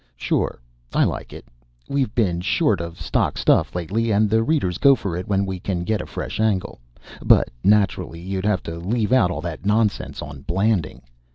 "Sure. I like it. We've been short of shock stuff lately and the readers go for it when we can get a fresh angle. But naturally you'd have to leave out all that nonsense on Blanding.